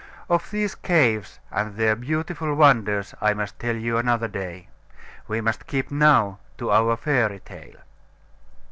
Of these caves and their beautiful wonders I must tell you another day. We must keep now to our fairy tale.